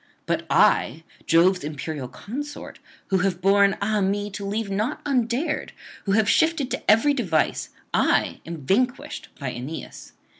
But I, Jove's imperial consort, who have borne, ah me! to leave naught undared, who have shifted to every device, I am vanquished by Aeneas.